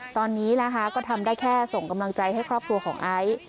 ตอนนี้นะคะก็ทำได้แค่ส่งกำลังใจให้ครอบครัวของไอซ์